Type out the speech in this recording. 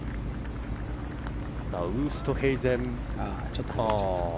ウーストヘイゼンです。